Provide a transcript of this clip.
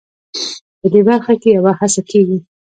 په دې برخه کې یوه هڅه کېږي.